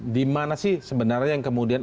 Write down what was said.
di mana sih sebenarnya yang kemudian